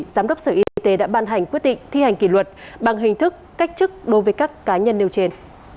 giám đốc sở y tế đã ban hành quyết định thi hành kỷ luật bằng hình thức cách chức đối với các cá nhân nêu trên